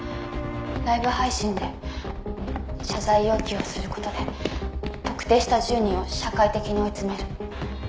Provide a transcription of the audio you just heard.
「ライブ配信で謝罪要求をする事で特定した１０人を社会的に追い詰める」